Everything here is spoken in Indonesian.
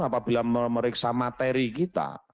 apabila meriksa materi kita